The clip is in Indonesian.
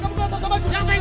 jangan jangan jangan